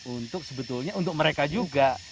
untuk sebetulnya untuk mereka juga